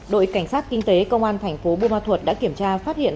đội cảnh sát kinh tế công an thành phố bô ma thuật đã kiểm tra phát hiện